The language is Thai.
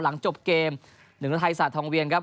หลังจบเกม๑๐ไทยศาสตร์ทองเวียนครับ